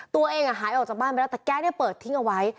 ตัวเองหายออกจากบ้านไปแล้วแต่แก๊สเปิดทิ้งเอาไว้